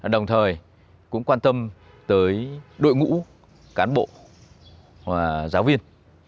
đồng thời cũng quan tâm tới đội ngũ cán bộ và giáo viên